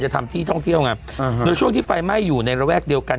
ทำที่ท่องเที่ยวไงอ่าโดยช่วงที่ไฟไหม้อยู่ในระแวกเดียวกัน